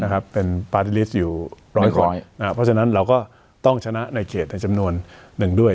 นะครับเป็นอยู่ร้อยคนนะครับเพราะฉะนั้นเราก็ต้องชนะในเขตในจำนวนหนึ่งด้วย